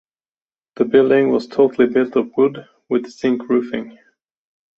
The building was totally built of wood with zinc roofing.